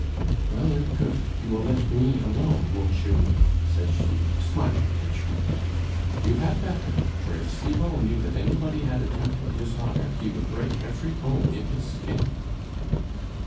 "Well and good, you will let me alone, won't you?" said she, smiling at Schmucke. "You had better; for if Cibot knew that anybody had attempted his honor, he would break every bone in his skin."